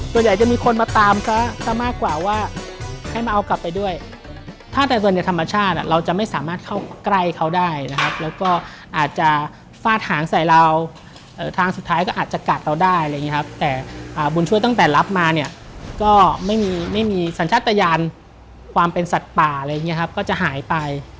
พยายามความเป็นสัตว์ป่าอะไรอย่างนี้ครับก็จะหายไป